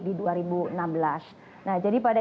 di dua ribu enam belas nah jadi pada